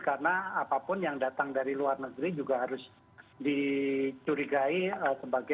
karena apapun yang datang dari luar negeri juga harus dicurigakan